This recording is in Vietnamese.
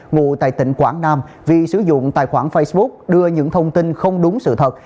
ngụ tại tỉnh quảng nam vì sử dụng tài khoản facebook đưa những thông tin không đúng sự thật